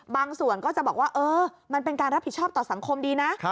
ส่วนก็จะบอกว่าเออมันเป็นการรับผิดชอบต่อสังคมดีนะ